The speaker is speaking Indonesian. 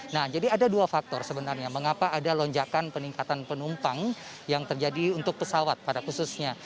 nah jadi ada dua faktor sebenarnya mengapa ada lonjakan peningkatan penumpang yang terjadi untuk pesawat pada khususnya